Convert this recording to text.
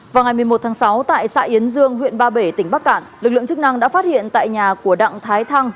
vào ngày một mươi một tháng sáu tại xã yến dương huyện ba bể tỉnh bắc cạn lực lượng chức năng đã phát hiện tại nhà của đặng thái thăng